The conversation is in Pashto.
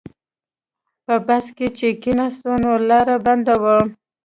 په بس کې چې کیناستو نو لاره بنده وه.